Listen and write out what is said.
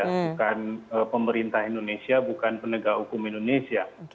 bukan pemerintah indonesia bukan penegak hukum indonesia